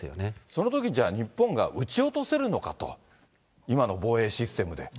そのときにじゃあ日本が打ち落とせるのかと、今の防衛システムで。